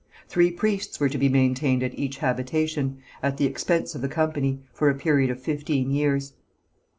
Three priests were to be maintained at each habitation, at the expense of the company, for a period of fifteen years.